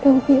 kamu di sini